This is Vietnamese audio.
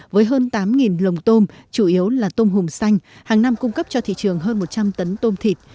với hơn tám lồng tôm chủ yếu là tôm hùm xanh hàng năm cung cấp cho thị trường hơn một trăm linh tấn tôm thịt